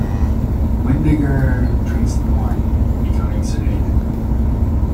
Windegger drinks the wine, becoming sedated.